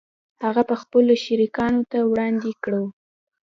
هغه به خپلو شریکانو ته وړاندې کړو